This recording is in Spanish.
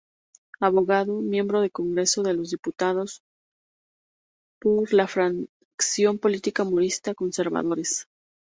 Abogado, miembro del Congreso de los Diputados por la fracción política maurista, conservadores.